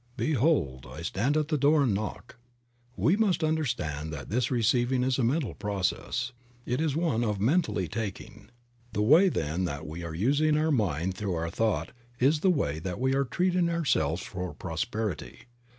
"Behold, I stand at the door and knock." We must understand that this receiving is a mental process; it is one of mentally taking. The way, then, that we are using mind through our thought is the way that we are treating ourselves for prosperity.